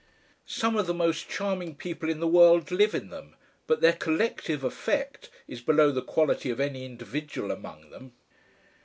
Some of the most charming people in the world live in them, but their collective effect is below the quality of any individual among them.